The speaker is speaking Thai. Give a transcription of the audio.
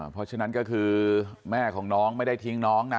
เพราะฉะนั้นก็คือแม่ของน้องไม่ได้ทิ้งน้องนะ